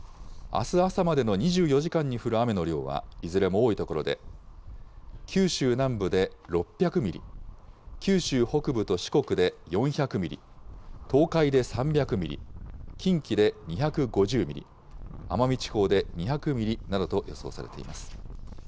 あす朝までの２４時間に降る雨の量はいずれも多い所で、九州南部で６００ミリ、九州北部と四国で４００ミリ、東海で３００ミリ、近畿で２５０ミリ、奄美地方で２００ミリなどと予想されています。